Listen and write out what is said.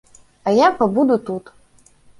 А я пабуду тут.